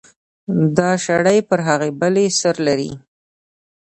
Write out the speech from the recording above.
دا شړۍ پر هغې بلې سر لري.